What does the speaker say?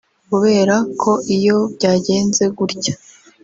kubera ko iyo byagenze gutya